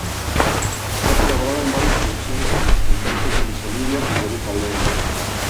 Ha colaborado en varias producciones con las cantantes Miss Bolivia y Rebeca Lane.